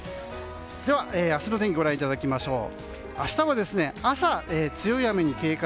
では、明日の天気ご覧いただきましょう。